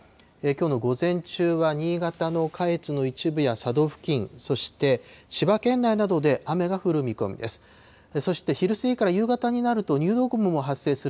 きょうの午前中は新潟の下越の一部や佐渡付近、そして千葉県内などで雨が降る見込みです。